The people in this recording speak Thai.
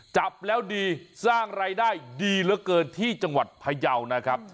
จับแล้วดีสร้างรายได้ดีเหลือเกินที่จังหวัดพยาวนะครับ